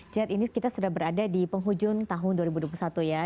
jad ini kita sudah berada di penghujung tahun dua ribu dua puluh satu ya